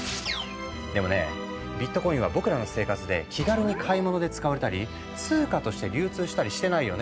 でもねビットコインは僕らの生活で気軽に買い物で使われたり通貨として流通したりしてないよね。